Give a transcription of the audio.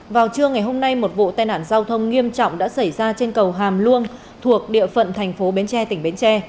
vào trưa ngày hôm nay một vụ tai nạn giao thông nghiêm trọng đã xảy ra trên cầu hàm luông thuộc địa phận thành phố bến tre tỉnh bến tre